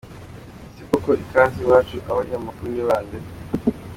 Ese koko Ikaze Iwacu abayiha amakuru ni bande ?